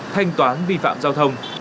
thanh toán vi phạm giao thông